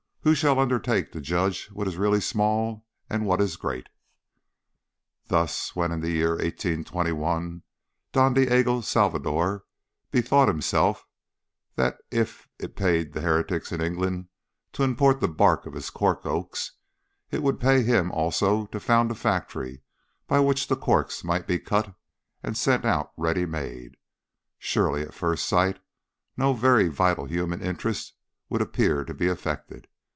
Who shall undertake to judge what is really small and what is great? Thus when in the year 1821 Don Diego Salvador bethought him that if it paid the heretics in England to import the bark of his cork oaks, it would pay him also to found a factory by which the corks might be cut and sent out ready made, surely at first sight no very vital human interests would appear to be affected.